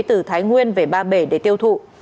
từ thái nguyên về ba bể để tiêu thụ